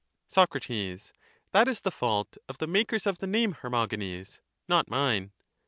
Soc. That is the fault of the makers of the name, Hermo genes ; not mine.